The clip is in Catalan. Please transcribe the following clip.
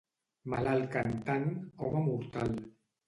Malalt cantant, home mortal.